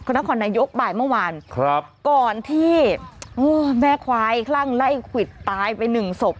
นครนายกบ่ายเมื่อวานครับก่อนที่แม่ควายคลั่งไล่ควิดตายไปหนึ่งศพ